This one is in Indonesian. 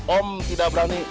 om tidak berani